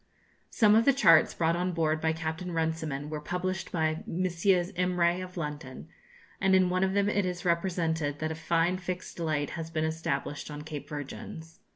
Some of the charts brought on board by Captain Runciman were published by Messrs. Imray, of London, and in one of them it is represented that a fine fixed light has been established on Cape Virgins.